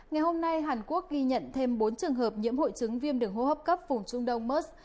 ngày hôm nay hàn quốc ghi nhận thêm bốn trường hợp nhiễm hội chứng viêm đường hô hấp cấp vùng trung đông mers